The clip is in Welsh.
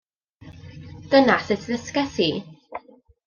Dyna sut ddysges i.